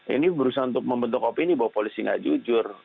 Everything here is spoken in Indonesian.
ini berusaha untuk membentuk opini bahwa polisi gak jujur